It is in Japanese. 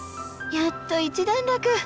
やっと一段落。